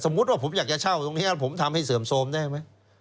มุติว่าผมอยากจะเช่าตรงนี้ผมทำให้เสื่อมโทรมได้ไหม